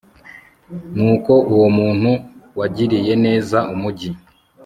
nuko uwo muntu wagiriye neza umugi